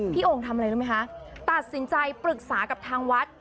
โอ่งทำอะไรรู้ไหมคะตัดสินใจปรึกษากับทางวัด